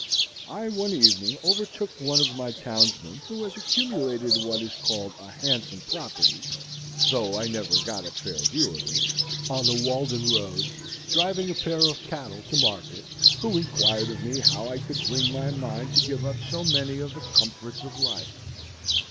I one evening overtook one of my townsmen, who has accumulated what is called "a handsome property,"—though I never got a fair view of it,—on the Walden road, driving a pair of cattle to market, who inquired of me how I could bring my mind to give up so many of the comforts of life.